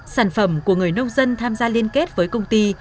sản phẩm của người nông dân tham gia liên kết với công ty